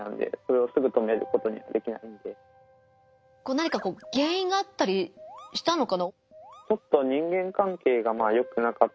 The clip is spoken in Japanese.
何か原因があったりしたのかな？